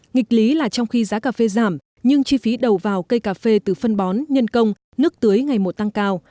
nghịch lý là trong khi giá cà phê giảm nhưng chi phí đầu vào cây cà phê từ phân bón nhân công nước tưới ngày một tăng cao